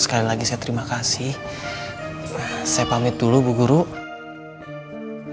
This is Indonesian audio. sekali lagi saya terima kasih saya pamit dulu bu guru